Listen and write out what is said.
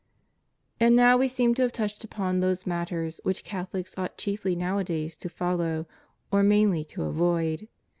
And now We seem to have touched upon those matters which Catholics ought chiefly nowadays to follow, or mainly to avoid.